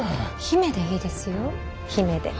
姫でいいですよ姫で。